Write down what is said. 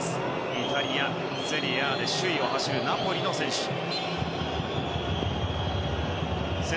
イタリア・セリエＡで首位を走るナポリの選手です。